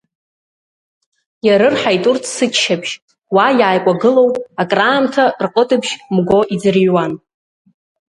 Иарырҳаит урҭ сыччабжь, уа иааикәагылоу, краамҭа рҟытыбжь мго иӡырҩуан.